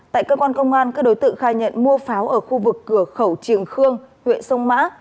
tại cơ quan công an các đối tượng khai nhận mua pháo ở khu vực cửa khẩu triềng khương huyện sông mã